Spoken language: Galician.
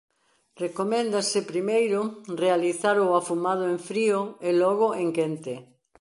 Recoméndase primeiro realizar o afumado en frío e logo en quente.